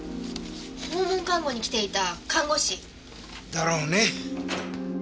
訪問看護に来ていた看護師。だろうね。